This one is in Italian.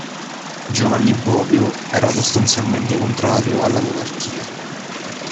Giovanni Bovio era sostanzialmente contrario alla monarchia.